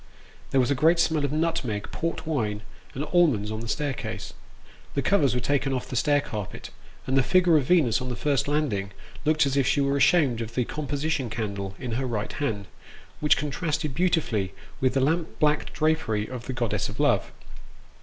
There was a great smell of nutmeg, port wine, and almonds, on the staircase ; the covers were taken off the stair carpet, and the figure of Venus on the first landing looked as if she were ashamed of the composition candle in her right hand, which contrasted beautifully with the lamp blacked drapery of the goddess of love.